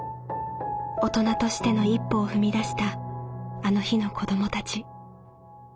大人としての一歩を踏み出したあの日の子どもたち。